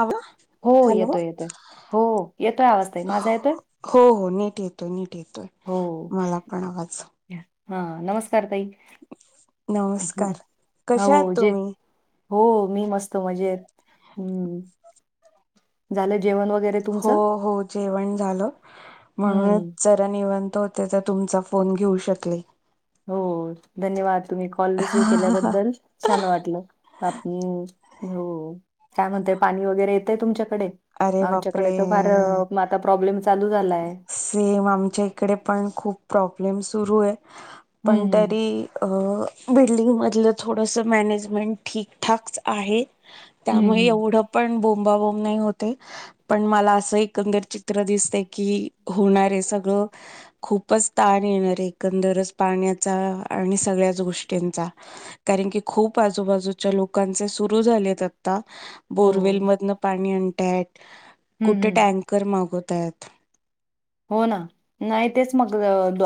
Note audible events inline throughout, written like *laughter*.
आवळा. हो येतोय -येतोय. हो येतोय आवाज ताई. माझा येतोय. हो- हो नीट येतोय. नीट येतोय. मला पण आवाज. हा नमस्कार ताई. नमस्कार कशा आहात हो जे तुम्ही हो मी मस्त मजेत्. झाल जेवण वगैरे? हो तुमचं? -हो जेवण झाल हं. म्हणूनच जा रा निवांत होते, तर तुमचा फोन घेऊ शकले. हो, धन्यवाद तुम्ही कॉल रिसीव्ह केल्याबद्दल. छान वाटल. काय म्हणतय? पाणी वगैरे येतय तुमच्याकडे. अरे आमच्याकडे बापरे तर फार आता प्रॉब्लेम चालू झा सेम आमच्या इकडे पण खूप प्रॉब्लेम सुरू आहे. हं, पण हं. तरी, अ बिल्डिंग मधल थोडस मॅनेजमेंट ठीकठाकच आहे. हं, त्यामुळे हं. एवढंम पण बोंबाबोंब नाही होते पण मला अस एकंदर चित्र दिसते कि होणारे सगळ खूपच ताण येणार हे एकंदरच पाण्याचा आणि सगळ्याच गोष्टींचा. कारण की खूप आजूबाजूच्या लोकांचे सुरू झालेत अआ आता बोरवेल हो. मधन पाणी आणताय. हं, कुठे हं. टँक कर मागवतय. हो ना. नाही तेच मग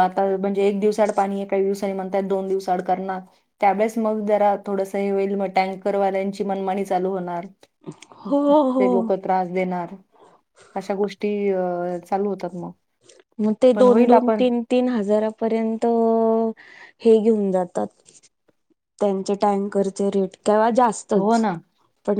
आता म्हणजे एक दिवसाआड पाणी आहे, काही दिवसांनी म्हणताय दोन दिवस अड करणार. त्यावेळेस मग जरा थोडस हे होईल मग टँकरवाल्यांची मनमाणी चालू होणार. हो हो ते लोकं त्रास देणार. अशा गोष्टी अ चालू होतात. मग मग ते पण दोन होईल -दोन आपण तीन तीन हजारापर्यंत हे घेऊन जातात. त्यांचे टँकरचे रेट केव्हा जास् हो ना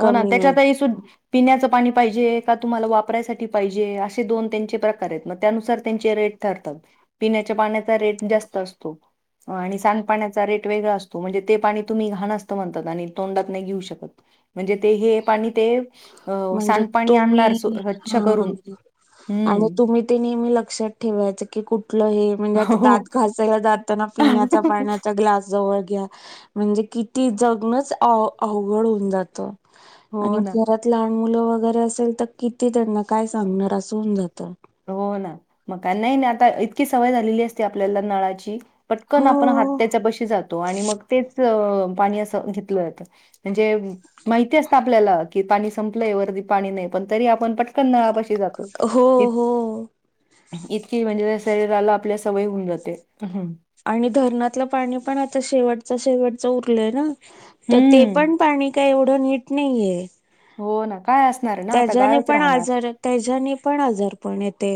हो ना त्याच्यात ही सुद् पिण्याचं पाणी पाहिजे का तुम्हाला वापरायसाठी पाहिजे असे दोन त्यांचे प्रकार आहेत मग त्यानुसार त्यांचे रेट ठरतात. पिण्याच्या पाण्याचा रेट जास्त असतो आणि सांडपाण्याचा रेट वेगळा असतो म्हणजे ते पाणी तुम्ही घाण असत म्हणतात. अनिल तोंडात नाही घेऊ शकत म्हणजे ते हे पाणी ते अ म्हणजे सांडपाणी आणणार स्व - तुम्ही स्वच्छ करून हा आणि हम्म तुम्ही ते नेहमी लक्षात ठेवायचं की कुठलं हे म्हणजे आता हो दात घासायला दात ताना पिण्याचा पाण्याचा ग्लास जवळ घ्या म्हणजे किती जगणच आव -अवघड होऊन जातं. हो ना? त्यात लहान मुलं वगैरे असेल तर किती त्यांना काय सांगणार अस होऊन जातं. हो ना म का नाही ना आता इतकी सवय झालेली असते आपल्याला नळाची पटकन आपण हात हो. त्याच्या पशी जातो आणि मग तेच पाणी असं घेतलं जातं. म्हणजे माहिती असत आपल्याला. कि पाणी संपलंय वरती पाणी नाही. पण तरी आपण पट क नळापाशी जातो. हो इत हो. इतकी म्हणजे शरीराला आपल्या सवयी होऊन जाते. आणि धरणातलं पाणी पण आता शेवटचा शेवटच उरलंय ना? तर ते हं. पण पाणी का एवढं नीट नाहीये. हो ना? काय असणार आहे ना आता त्याच्याने गाळच पण राहणार. आजार त्याच्याने पण आजारपण येते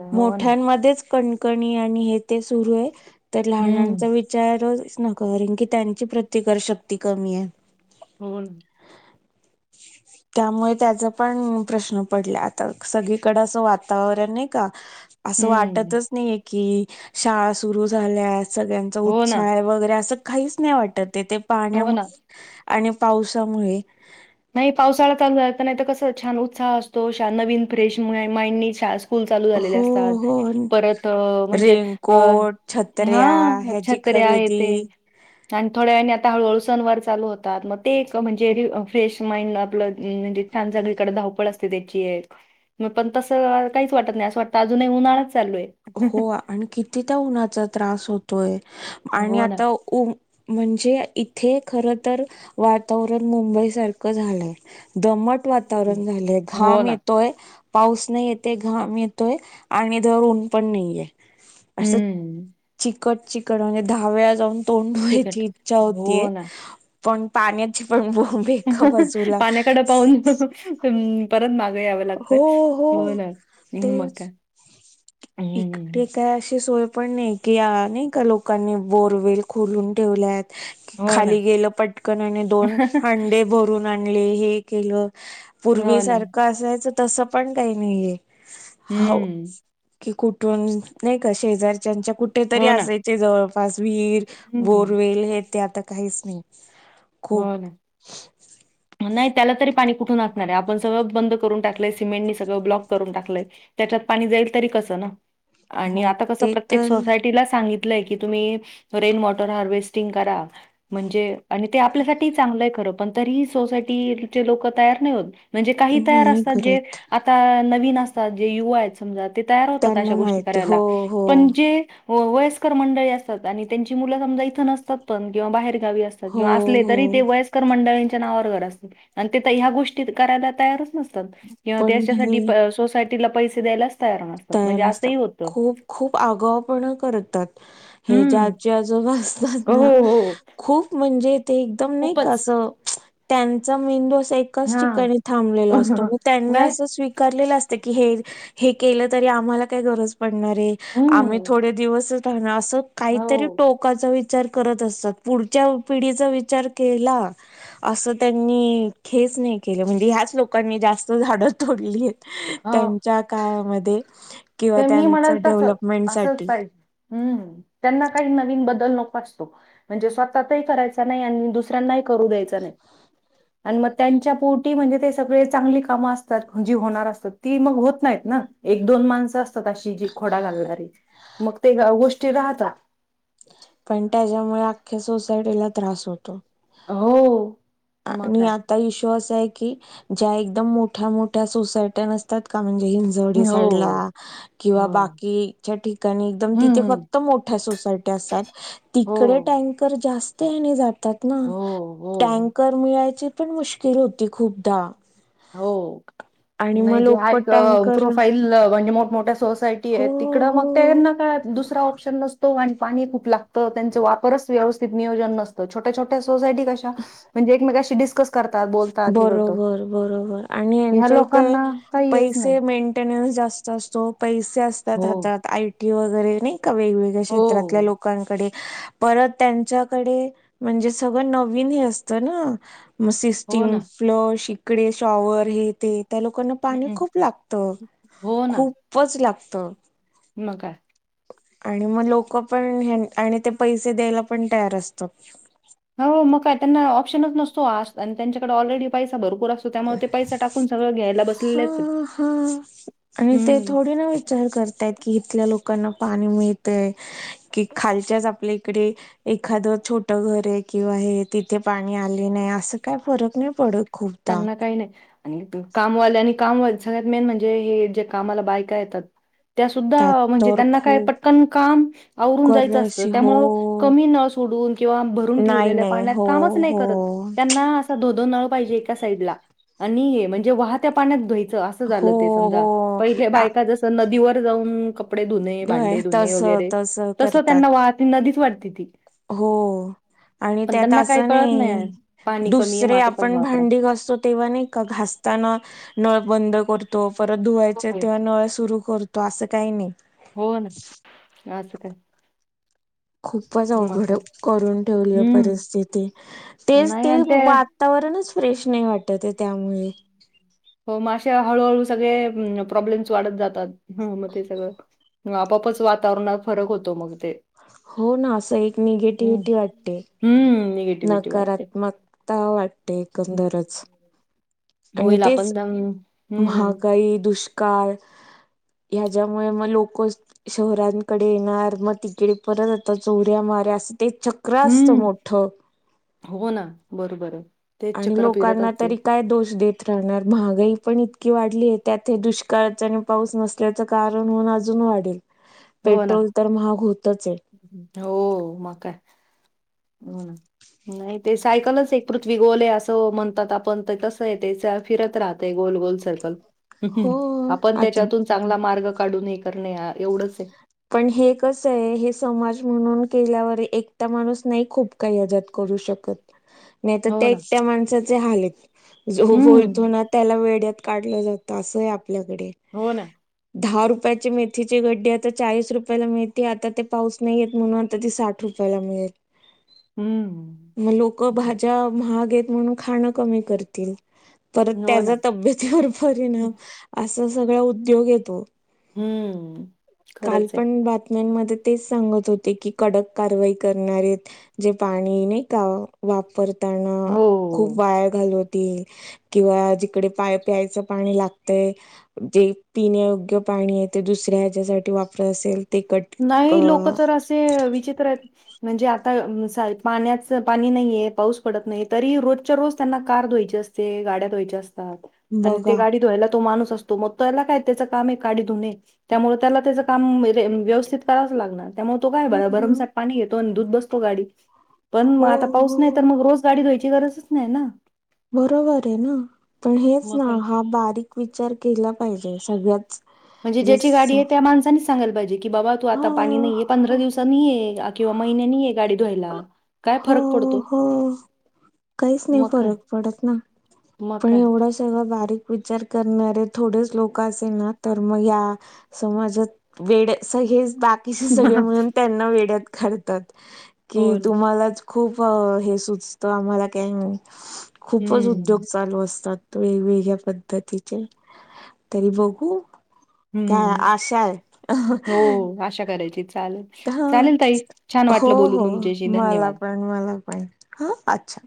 हो ना. मोठ्यांमध्येच कण कणी आणि हे ते सुरू आहे तर हं. लहानांचा विचार न कारण की त्यांची प्रतिकार शक्ती कमी आहे. हो न् त्यामुळ त्याचा पण प्रश्न पडला. आता सगळीकड असं वातावरण नाही का? असं हं. वाटतच नाहीये की शाळा सुरु झाल्या सगळ्यांचा हो ना. उत्साह वगैरे असं काहीच नाही वाटत ते ते हो पाण्यामु ना. - आणि पावसामुळे नाही पावसाळा चालू झाला नाही त कस छान उत्साह असतो छा नवीन फ्रेश नी माइंड शाळा सु स्कूल चालू झालेले हो असतात हो परत म्हणजे अ रेनकोट छत्र्या हा ह्याची तरी आहे ते खरेदी आणि थोड्या वेळाने आता हळू हळू सनवार चालू होतात. मग ते एक म्हणजे री फ्रेश माइंड आपलं म्हणजे छान सगळीकडे धावपळ असते त्याची एक मग पण तसं काहीच वाटत नाही असं वाटतं अजूनही उन्हाळाच चालू आहे. हो. आणि किती त्या उन्हाचा त्रास होतोय, आणि हो ना. आता उम, म्हणजे इथे खर तर वातावरण मुंबई सारखं झालंय. दमट हं. वातावरण झालंय, हो घाम ना. येतोय पाऊस नाही येतेय, घाम येतोय आणि धड ऊन पण नाहीये. असं हम्म चिकट - चिकट म्हणजे दहा वेळा जाऊन तोंड चिकट धुवायची इच्छा हो होतेय ना. पण पाण्याची पण बोंब एका बाजूला *unintelligible* पाउन. *unintelligible* परत मागं यावं लागतय, हो मग काय? एक हं. टे. काय अशी सोय पण नाही की नाही का, लोकांनी बोरवेल खोलून ठेवल्यात. हो ना. खाली गेलं पटकन आणि दोन हंडे भ *unintelligible* आणले हे केल हो पूर्वी ना. सारख असं च तस पण काही नाहीये, हाव हं. कि कुठून नाही का शेजारच्याच्या कुठेेतरी हो ना. असायचे जवळपास विहीर हं. बोरवेल हे ते आता काहीच नाही. खूप हो ना. नाही त्याला तरी पाणी कुठून असणार हाय, आपण सगळं बंद करून टाकलंय, सिमेंटनी सगळं ब्लॉक करून टाकलंय. त्याच्यात पाणी जाईल तरी कसं ना? आणि हो आता कसं ते प्रत्येक तर सोसायटीला सांगित लय की तुम्ही रेन वॉटर हार्वेर्स्टिंग करा, म्हणजे आणि ते आपल्यासाठी चांगलं आहे खरं पण तरीही सोसायटीचे लोक तयार नाही होत. म्हणजे काही तयार नाही असतात जे करत आता नवीन असतात जे युवा आहेत समजा, ते तयार होतात त्यांना अशा गोष्टी माहिती हो करायला, हो पण जे हो, वयस्कर मंडळी असतात आणि त्यांची मुलं समजा इथं नसतात पण किंवा बाहेर गावी असतात, हो असले हो तरी ते वयस्कर मंडळी त्या नावावर *unintelligible* आणि तिथं ह्या गोष्टी करायला तयारच नसतात किंवा पण त्याच्यासाठी हे सोसा तिला पैसे द्यायलाच तयार नसतात तयार म्हणजे नसतात. असही होतं. खूप खूप आगाऊपणा करतात, हे जे हम्म. आजी आजोबा असतात हो, ना हो. खूप म्हणजे ते एकदम नाही का खूपच. असं, त्यांचा मेंदू असा एक एकाच हां. ठिकाणी थांबलेला असत, म त्यांनी नाही अस स्वीकारलेलं असत, की हे हे केलं तरी आम्हाला काय गरज पडणारेय, आम्ही हं. थोडे दिवसच राहणार, असं त काहीतरी हो, टोकाचा विचार करत असतात, पुढच्या पिढीचा विचार केला असं त्यांनी खेच नाही केलं म्हणजे, ह्याच लोकांनी जास्त झाडं तोडलीयेत. हो. त्यांच्या काळामध्ये किंवा ते मी म्हणलं त्यांचं तसच, असंच डेव्हलपमेंटसाठी पाहिजे. हम्म, त्यांना काही नवीन बदल नको असतो म्हणजे, स्वतःचाही करायचा नाही आणि दुस सऱ्यांनाही करू द्यायच नाही. आणि मग त्यांच्या पोटी म्हणजे ते सगळे चांगली कामं असतात जी होणार असतात, ती मग होत नाहीत ना. एक दोन माणसं असतात अशी, जी खोडा घालणारी, मग ते गोष्टी राहतात. पण त्याज्यामुळ अख्या सोसायटीला त्रास होतो. हो. मग आणि काय. आ ता इशू असा आहे की, ज्या एकदम मोठ्या मोठ्या सोसायट्या नसतात का म्हणजे हि जवडी साईडला. हो. किंवा हां. बाकीच्या ठिकाणी, एकदम तिथे हं. फक्त मोठ्या सोसायटी असतात. तिकडे हो. टँकर जास्त हिने जातात ना. हो, टँ हो, मिळायची पण मुश्किल होती खूपदा. हो. आणि मग नाही जे लोक *unintelligible* टँकर प्रोफाईल म्हणजे मोठमोठ्या सोसायटी हो आहेत तिकडं मग हो *unintelligible* का दुसरा ऑप्शन नस तो आणि पाणी खूप लागतं, त्यांच वापरच व्यवस्थित नियोजन नसत, छोट्या छोट त्या सोसायटी कशा म्हणजे एकमेकाशी डिस्कस करतात, बोलतात हे होतं. बरोबर बरोबर ह्या आणिच्या इथे लोकांना काही हेच नाही. पैसे मेन टेनेन्स जास्त असतो पैसे असतात हो, हच्यात आय टी वगैरे नाही का वेगवेगळ्या हो, क्षेत्रातल्या लोकांकडे. परत त्यांच्याकडे म्हणजे सगळं नवीन हे असतं ना म हो सिस्टीम ना. फ्लश इकडे शॉवर हे ते त्या लोकांना पाणी हं, खूप लागतं खूपच लागतं. म काय आणि म लोकं पण हे आणि आणि ते पैसे द्यायला पण तयार असतात. हो मग का त्यांना ऑप्शनच नसतो आणि त्यांच्याकडे ऑलरेडी पैसा भरपूर अस तो त्यामुळे ते पैसा टाकून सगळं घ्यायला हा बसलेलेत की, हा हम्म. चार करताय की इथल्या लोकांना पाणी मिळतय की, खालच्याच आपल्या इकडे एखादं छोटं घर आहे किंवा हे, तिथे पाणी आले नाही असं काय फरक नाही पडत. खूपदा त्यांना काही नाही आणि कामवाले आणि कामवाले सगळ्यात मेन म्हणजे हे जे कामाला बायका येतात त्या त्यात सुद्धा म्हणजे तर त्यांना काय खूप पटकन काम आवरून जायचं असतं कशी हो त्यामुळे कमी नळ सोडून किंवा भरून नाही ठेवले नाही पाण्यात हो कामच नाही हो करत त्यांना अस दोन दोन नळ पाहिजे एका साईडला आणि म्हणजे वाहत्या पाण्यात धुयचं असं हो झालं ते समजा हो पहिल्या आ, बायका जसं नदीवर जाऊन कपडे धुणे होय, भांडे धुणे तस वगैरे तस तसं करतात त्यांना वाहती नदीच वाटती ती. हो आणि पण त्यात त्यांना काही असं कळत नाही पाणी कमी आहे मग दुसरे आता कमी आपण वापरा भांडी घासतो तेव्हा नाही का घासताना नळ बंद करतो परत धुवायचे हो तेव्हा नळ सुरू कर तो असं काही नाही. हो ना असं काय खूपच मग अवघड काय. करून ठेवली आहे हम्म. परिस्थिती तेच नाही ते आणि मा वातावरणच फ्रेश नाही वाटत आहे त्यामुळे. हो म अशा हळूहळू सगळे प्रॉब्लेम्स वाढत जातात म ते सगळं. हम्म आपोपच वातावरणा फरक होतो मग ते. हो ना असं एक हं. निगेटिव्हटी वाटते हं. निगेटिव्हिटी वाढते. नकारात्मक ता वाटते एकंदरच आणि होईल तेच आपण पण हं. महागाई, दुष्काळ ह्याज्यामुळे मग लोकस शहरांकडे येणार मतिकडे परत आता चोऱ्या मार्या असं ते च क्रा असतो हं. मोठं हो ना बरोबर आहे. तेच आणि चक्र फिरत लोकांना असते. तरी काय दोष देत त राहणार महागाई पण इतकी वाढली आहे त्यात हे दुष्काळाच आणि पाऊस नसल्याचं कारण होऊन अजून वाढेल. हो ना. पेट्रोल तर महाग होतच आहे. हो म काय हो ना नाही ते सायकलच एक पृथ्वी गोल आहे असं म्हणतात आपण ते तसं ये तेच्या फिरत राहतय गोल गोल सर्कल. हो. आपण आता त्याच्यातून चांगला मार्ग काढून हे करणे आ एवढंच आहे. पण हे कसं आहे हे समाज म्हणून केल्यावर एकटा माणूस नाही खूप काही अजात करू शकत. ह नाही तर त्या एकट्या माणसाचे हाल आहेत जो बोलतो हम्म. ना त्याला वेड्यात काढलं जातं असं आहे आपल्याकडे. हो ना. दहा रुपयाचे मेथीचे गड्डे आत त चाळीस रुपयाला मिळते आता ते पाऊस नाहीयेत म्हणून त ती साठ रुपयाला मिळेल. हम्म. म लोक भाज्या महाग हेत म्हणून खाणं कमी करतील. तर हो ना. त्याचा तब्येतीवर परिणाम असा सगळा उद्योग येतो. हूं! कालपण बातम्यांमध्ये तेच सांगत होते की कडक कारवाई करणारेत जे पाणी नाही का वापर हो! खूप वाया घालवतील किंवा जिकडे पाय-प्यायचं पाणी लागतय जे पिण्यायोग्य पाणी आहे ते दुसऱ्या ह्याच्यासाठी वापरत असेल. ते कट अ नाही लोक तर असे विचित्र आहेत. म्हणजे आता सा पाण्याच पाणी नाहीये पाऊस पडत नाही, तरी रोजच्या रोज त्यांना कार धुवायची असते. चे गाड्या धुवायचे असतात आणि ते बघा गाडी धुवायला तो माणूस अस तो मग त्याला काय त्याच काम आहे गाडी धुने त्यामुळे त्याला त्याच काम व्यवस्थित करावचं लागणार. त्यामुळे तो काय ब हो हो भरमसाट पाणी घेतो आणि धूत बसतो गाडी पण आता पाऊस नाही तर हो मग रोज गाडी धुवायची गरजच नाही ना. बरोबर आहे ना पण हेच मग ना काय? हा बारीक विचार केला पाहिजे सगळ्याच म्हणजे जे ज्याची गाडी आहे त्या माणसांनी सांगायला पाहिजे की बाबा तू हा आता पाणी नहीये पंधरा दिवसांनी ये किंवा महिन्यानी आहे गाडी धुवायला काय फरक हो पडतो. हो काहीच नाही मग काय फरक पडत ना मग पण काय एवढाच. जेव्हा बारीक विचार करणारे थोडेच लोक असेल ना तर मग या समजात वेड अस हेच दात किसी सगळे म्हणून त्यांना वेड्यात काढतात कि हो ना तुम्हालाच खूप हे सुचत आम्हाला काय नाही खूपच उद्योग. हम्म चालू असतात वेगवेगळ्या पद्धतीचे तरी बघू काय हम्म आशाढ. हो आशा करायची चाल. हा हो हो तुमच्याशी मला धन्यवाद पण, मला पण हा अच्छा.